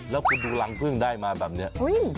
แล้วคุณดูรังพึ่งได้มาแบบนี้